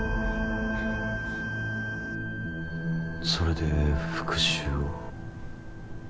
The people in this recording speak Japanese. それで復讐を？